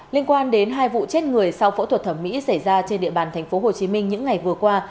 liên quan đến hai vụ chết người sau phẫu thuật thẩm mỹ xảy ra trên địa bàn tp hcm những ngày vừa qua